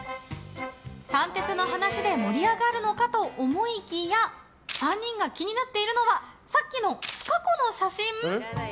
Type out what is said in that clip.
三鉄の話で盛り上がるのかと思いきや３人が気になっているのはさっきのつか子の写真？